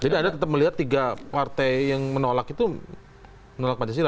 jadi anda tetap melihat tiga partai yang menolak itu menolak pancasila